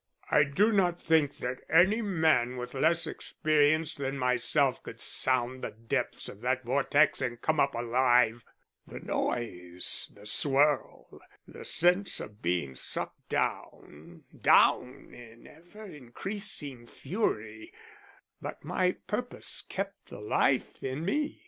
I do not think that any man with less experience than myself could sound the depths of that vortex and come up alive. The noise the swirl the sense of being sucked down down in ever increasing fury but my purpose kept the life in me.